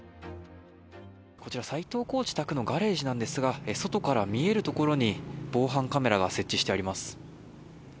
こちら、斎藤コーチ宅のガレージなんですが外から見えるところに防犯カメラが設置してあります。